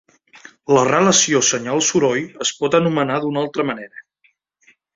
La relació senyal-soroll es pot anomenar d'una altra manera.